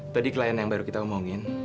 tadi klien yang baru kita omongin